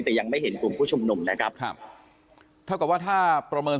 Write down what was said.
แต่ยังไม่เห็นกลุ่มผู้ชุมนุมนะครับครับเท่ากับว่าถ้าประเมิน